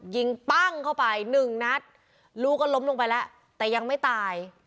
ปั้งเข้าไปหนึ่งนัดลูกก็ล้มลงไปแล้วแต่ยังไม่ตาย